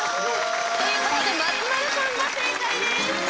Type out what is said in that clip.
ということで松丸さんが正解です。